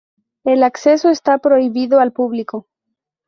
El acceso está prohibido al público.